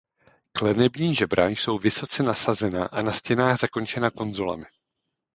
Klenební žebra jsou vysoce nasazena a na stěnách zakončena konzolami.